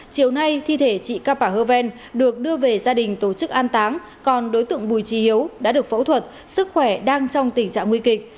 chiều nay thi thể chị ca hơ ven được đưa về gia đình tổ chức an táng còn đối tượng bùi trí hiếu đã được phẫu thuật sức khỏe đang trong tình trạng nguy kịch